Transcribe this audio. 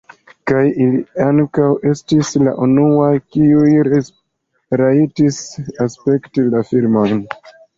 Kaj ili ankaŭ estis la unuaj, kiuj rajtis spekti la filmojn.